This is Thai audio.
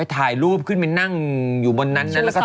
ทัยรูปขึ้นไปถ่ายอะไร